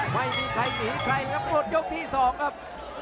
ไม่มีใครหนีใครเลยครับหมดยกที่สองครับ